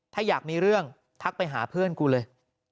ถ้าอยากมีเรื่องทักไปหาเพื่อนกูเลย